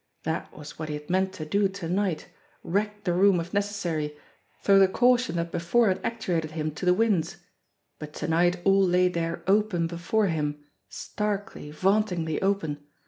That was what he had meant to do to night, wreck the room if necessary, throw the caution that before had actuated him to the winds; but to night all lay there open before him, starkly, vauntingly open.